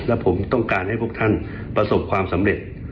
และผมต้องการให้พวกท่านประสบความสำเร็จ